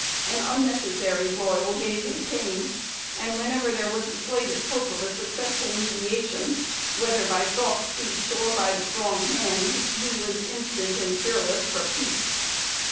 An unnecessary broil gave him pain; and whenever there was the slightest hope of successful mediation, whether by soft speech or by the strong hand, he was instant and fearless for peace.